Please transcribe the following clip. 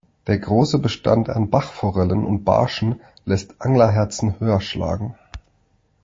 Der große Bestand an Bachforellen und Barschen lässt Anglerherzen höher schlagen.